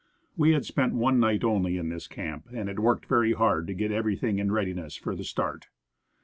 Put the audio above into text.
We had spent one night only in this camp, and had worked very hard to get everything in readiness for the stcT,rt.